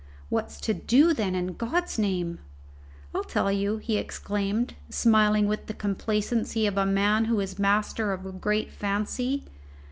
"What's to do, then, in God's name?" "I'll tell you!" he exclaimed, smiling with the complacency of a man who is master of a great fancy.